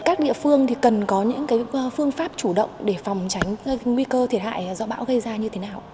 các địa phương thì cần có những phương pháp chủ động để phòng tránh nguy cơ thiệt hại do bão gây ra như thế nào